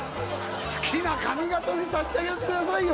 好きな髪形にさせてあげてくださいよ